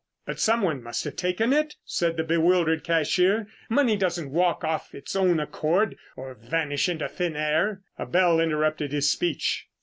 "But someone must have taken it," said the bewildered cashier. "Money doesn't walk off of its own accord or vanish into thin air " A bell interrupted his speech.